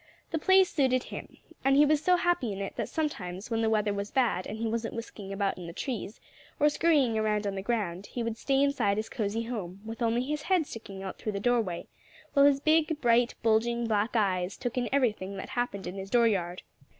The place suited him. And he was so happy in it that sometimes when the weather was bad and he wasn't whisking about in the trees, or scurrying around on the ground, he would stay inside his cozy home, with only his head sticking out through the doorway, while his big, bright, bulging, black eyes took in everything that happened in his dooryard.